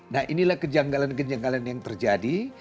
nah inilah kejanggalan kejanggalan yang terjadi